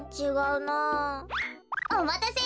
おまたせ！